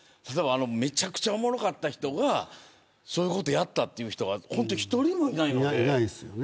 めちゃくちゃおもろかった人がそういうことをやったという人は一人もいないので。